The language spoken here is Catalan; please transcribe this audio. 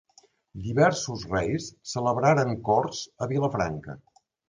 Diversos reis celebraren corts a Vilafranca.